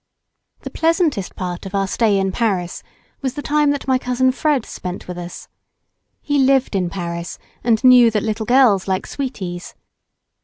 The pleasantest part of our stay in Paris was the time that my cousin Fred spent with us. He lived in Paris, and knew that little girls like sweeties.